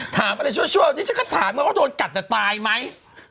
ถามอะไรชั่วดิฉันก็ถามไงว่าโดนกัดจะตายไหม